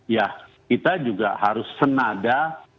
ya kita juga harus senada